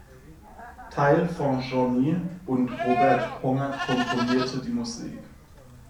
Teil von "Jeanny", und Robert Ponger komponierte die Musik.